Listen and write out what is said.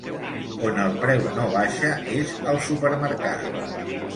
On el preu no baixa és al supermercat.